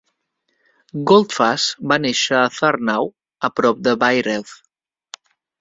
Goldfuss va néixer a Thurnau a prop de Bayreuth.